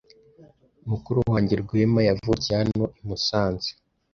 Mukuru wanjye Rwema, yavukiye hano i Musanze.